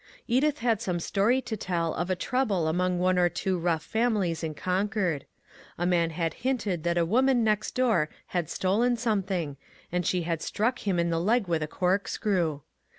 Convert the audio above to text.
Edith had some story to tell of a trouble among one or two rough families in Concord. A man had hinted that a woman next door had stolen something, and she had struck him in the leg with a corkscrew.